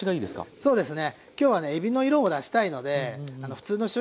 そうですね。